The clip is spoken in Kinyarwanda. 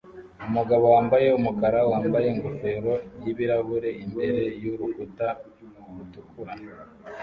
Umugabo wambaye umukara wambaye ingofero n'ibirahure imbere y'urukuta rutukura